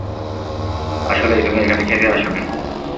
আসলেই, তুমি এখানে খেতে আসোনি।